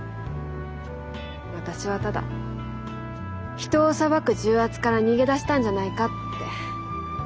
私はただ人を裁く重圧から逃げ出したんじゃないかって。